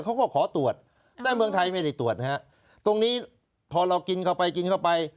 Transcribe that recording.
เขาก็ขอตรวจแต่เมืองไทยไม่ได้ตรวจนะฮะตรงนี้พอเรากินเข้าไปกินเข้าไป